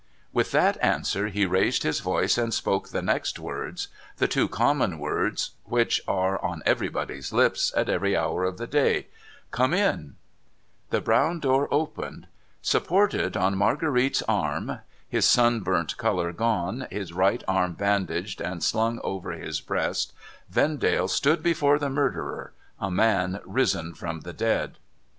With that answer, he raised his voice and spoke the next words — the two common words which are on everybody's lips, at every hour of the day :' Come in !' The brown door opened. Supported on Marguerite's arm —■ his sunburnt colour gone, his right arm bandaged and slung over his breast — Vendale stood before the murderer, a man risen from the dead.